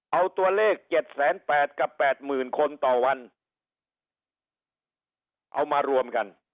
เอาตัวเลข๗๘๐๐กับ๘๐๐๐คนต่อวันเอามารวมกัน